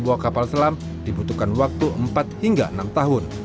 sebuah kapal selam dibutuhkan waktu empat hingga enam tahun